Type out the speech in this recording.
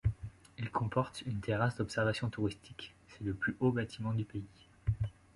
Il comporte une terrasse d'observation touristique, c'est le plus haut bâtiment du pays.